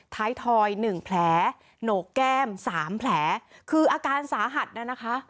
ทอยหนึ่งแผลโหนกแก้มสามแผลคืออาการสาหัสน่ะนะคะ